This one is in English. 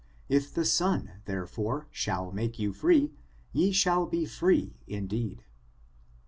If the son, therefore, shall make you free, ye shall be free indeed."